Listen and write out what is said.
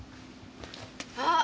あっ！